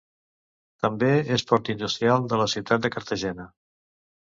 També és port industrial de la ciutat de Cartagena.